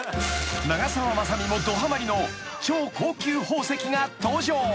［長澤まさみもどはまりの超高級宝石が登場］